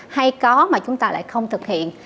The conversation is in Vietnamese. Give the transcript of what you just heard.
hay có mà chúng ta lại không thực hiện